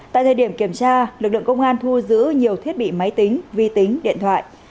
tại thời điểm kiểm tra lực lượng công an thu giữ nhiều thiết bị máy tính vi tính điện thoại